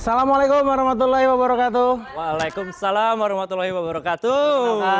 assalamualaikum warahmatullahi wabarakatuh waalaikumsalam warahmatullahi wabarakatuh